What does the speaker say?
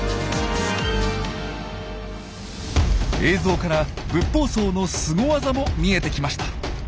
映像からブッポウソウのスゴ技も見えてきました。